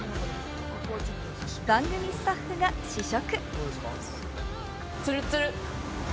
番組スタッフが試食。